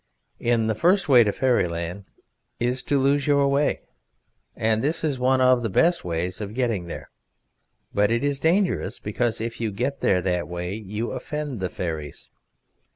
In the first way to Fairyland is to lose your way, and this is one of the best ways of getting there; but it is dangerous, because if you get there that way you offend the fairies.